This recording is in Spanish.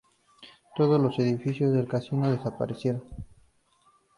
Todos los edificios del castillo desaparecieron.